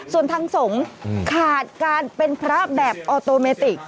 ส่วนทางสงฆ์ขาดการเป็นพระแบบออโตเมติก